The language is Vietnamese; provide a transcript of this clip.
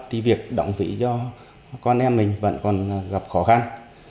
thì việc động ví cho con em mình vẫn còn gặp khó khăn